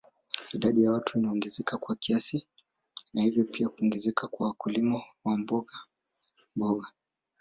Idadi ya watu inaongezeka kwa kasi na hivyo pia kuongezeka kwa wakulima wa mbogamboga